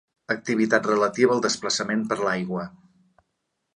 Activitat relativa al desplaçament per l'aigua.